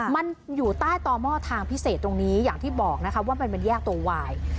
มันอยู่ใต้ต่อหม้อทางพิเศษตรงนี้อย่างที่บอกนะคะว่ามันเป็นแยกตัววาย